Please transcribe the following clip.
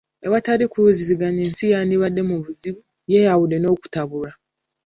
Ewatali kuwuliziganya, ensi yandibadde mu buzibu, yeeyawudde n'okutabulwa.